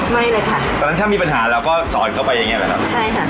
ไม่เลยค่ะตอนนั้นถ้ามีปัญหาเราก็สอนเข้าไปอย่างเงี้แหละครับใช่ค่ะ